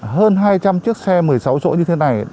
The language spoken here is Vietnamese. hơn hai trăm linh chiếc xe một mươi sáu chỗ như thế này